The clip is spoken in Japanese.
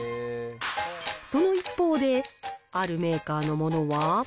その一方で、あるメーカーのものは。